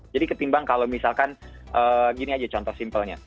jadi ketimbang kalau misalkan gini aja contoh simpelnya